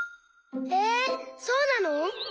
えそうなの？